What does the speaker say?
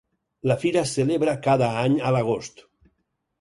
La fira es celebra cada any a l'agost.